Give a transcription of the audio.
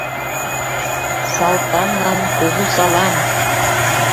Салтанлан — кугу салам!»